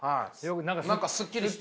何かすっきりした。